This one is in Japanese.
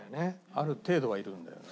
ある程度はいるんだよね。